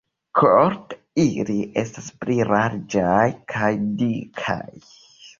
Korpe ili estas pli larĝaj kaj dikaj.